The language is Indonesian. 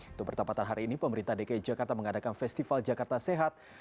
untuk bertempatan hari ini pemerintah dki jakarta mengadakan festival jakarta sehat